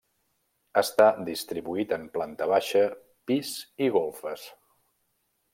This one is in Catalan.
Està distribuït en planta baixa, pis i golfes.